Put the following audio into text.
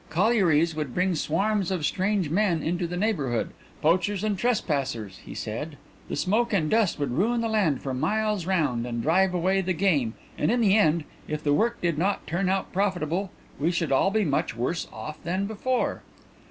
Collieries would bring swarms of strange men into the neighbourhood, poachers and trespassers, he said. The smoke and dust would ruin the land for miles round and drive away the game, and in the end, if the work did not turn out profitable, we should all be much worse off than before."